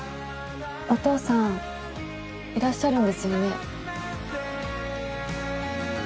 お父さんいらっしゃるんですよね。